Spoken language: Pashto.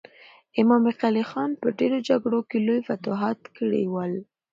امام قلي خان په ډېرو جګړو کې لوی فتوحات کړي ول.